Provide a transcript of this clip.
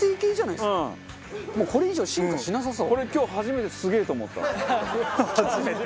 もうこれ以上進化しなさそう。